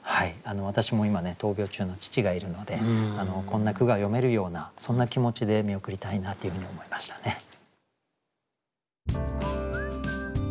私も今闘病中の父がいるのでこんな句が詠めるようなそんな気持ちで見送りたいなというふうに思いましたね。